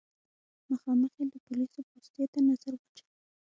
مخامخ يې د پوليسو پوستې ته نظر واچوه.